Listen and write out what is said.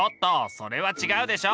それは違うでしょ！